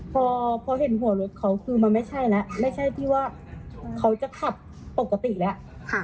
พอพอเห็นหัวรถเขาคือมันไม่ใช่แล้วไม่ใช่ที่ว่าเขาจะขับปกติแล้ว